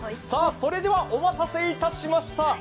さぁ、それではお待たせいたしました。